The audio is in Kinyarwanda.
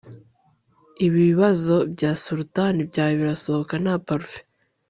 ibibazo bya sultana byawe birasohoka nta parufe